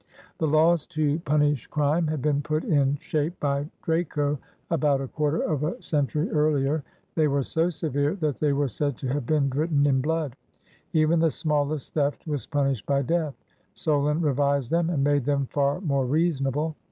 The laws to punish crime had been put in shape by Draco about a quarter of a century earlier. They were so severe that they were said to have been written in blood. Even the smallest theft was punished by death. Solon revised them and made them far more reasonable.